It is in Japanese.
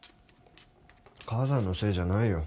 母さんのせいじゃないよ。